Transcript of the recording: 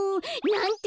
なんて